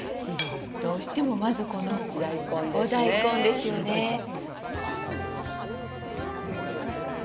どうしても、まずこのお大根ですよねえ。